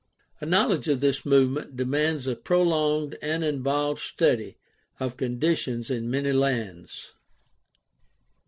A knowledge of this movement demands a prolonged and involved study of con ditions in many lands.